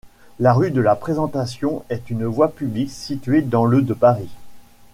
La rue de la Présentation est une voie publique située dans le de Paris.